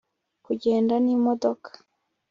kugenda n' imodoka